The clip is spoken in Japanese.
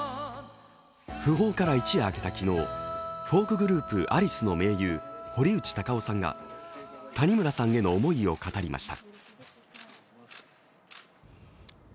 訃報から一夜明けた昨日、フォークグループ、アリスの盟友堀内孝雄さんが谷村さんへの思いを語りました